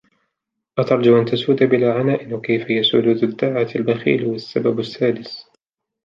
أَتَرْجُو أَنْ تَسُودَ بِلَا عَنَاءٍ وَكَيْفَ يَسُودُ ذُو الدَّعَةِ الْبَخِيلُ وَالسَّبَبُ السَّادِسُ